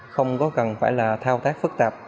không có cần phải là thao tác phức tạp